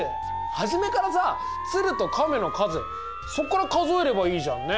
初めからさ鶴と亀の数そこから数えればいいじゃんね。